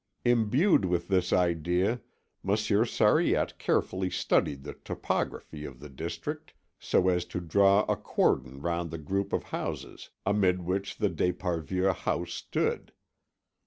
Imbued with this idea, Monsieur Sariette carefully studied the topography of the district, so as to draw a cordon round the group of houses amid which the d'Esparvieu house stood.